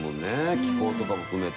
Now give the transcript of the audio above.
気候とかも含めて。